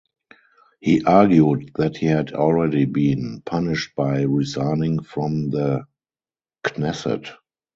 He argued that he had already been punished by resigning from the Knesset.